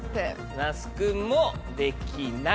那須君も「できない」。